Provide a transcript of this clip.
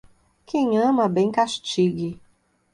Quem ama, bem castigue.